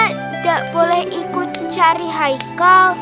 tidak boleh ikut mencari haikal